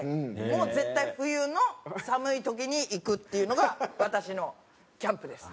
もう絶対冬の寒い時に行くっていうのが私のキャンプです。